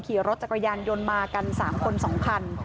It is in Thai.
ขี่รถจักรยานยนต์มากัน๓คน๒คัน